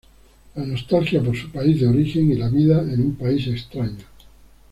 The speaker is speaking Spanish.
La nostalgia por su país de origen y la vida en un país extraño.